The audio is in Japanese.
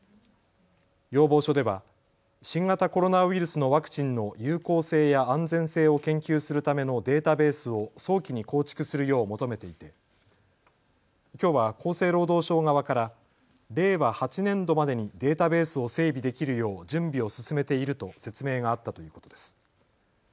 要望書では新型コロナウイルスのワクチンの有効性や安全性を研究するためのデータベースを早期に構築するよう求めていてきょうは厚生労働省側から令和８年度までにデータベースを整備できるよう準備を進めていると説明があったということです。